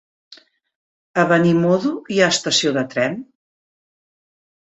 A Benimodo hi ha estació de tren?